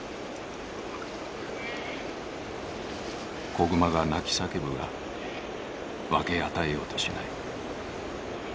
子熊が泣き叫ぶが分け与えようとしない。